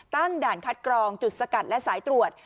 ตั้งด่านคัดกรองจุดสกัดและสายตรวจ